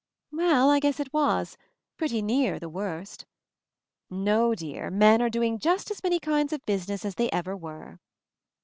"Well, I guess it was — pretty near 'the worst!' No dear, men are doing just as many kinds of business as they ever were."